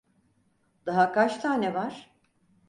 Daha kaç tane var?